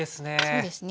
そうですね。